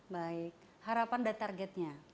baik harapan dan targetnya